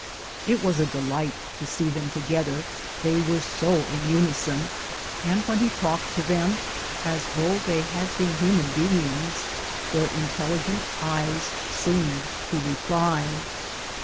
It was a delight to see them to gether, they were so in unison, and when he talked to INCIDENTS OF EVERY DAY LIFE. 109 them, as though they had been human beings, their in telligent eyes seemed to reply.